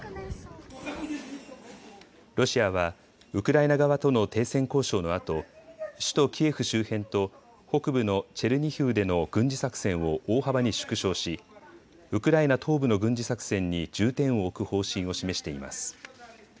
ロシアはウクライナ側との停戦交渉のあと首都キエフ周辺と北部のチェルニヒウでの軍事作戦を大幅に縮小しウクライナ東部の軍事作戦に重点を置く方針を示しています。